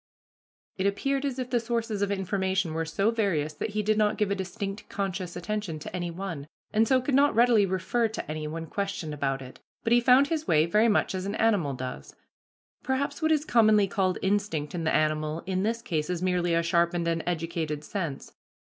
It appeared as if the sources of information were so various that he did not give a distinct conscious attention to any one, and so could not readily refer to any when questioned about it, but he found his way very much as an animal does. Perhaps what is commonly called instinct in the animal in this case is merely a sharpened and educated sense.